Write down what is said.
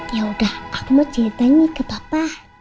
yaudah aku mau ceritain nih ke papa